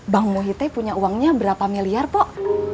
bang muhyite punya uangnya berapa miliar mpok